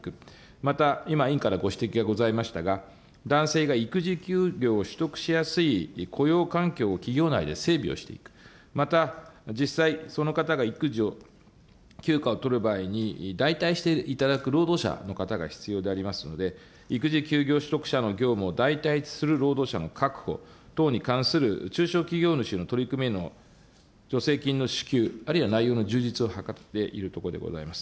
また今、委員からご指摘がございましたが、男性が育児休業を取得しやすい雇用環境を企業内で整備をしていく、また、実際その方が育児休暇を取る場合に、代替していただく労働者の方が必要でありますので、育児休業取得者の業務を代替する労働者の確保等に関する中小企業主の取り組みへの助成金の支給、あるいは内容の充実を図っているところでございます。